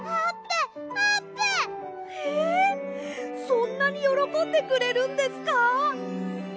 そんなによろこんでくれるんですか？